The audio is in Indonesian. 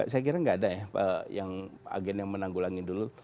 saya kira gak ada ya agen yang menanggulangi dulu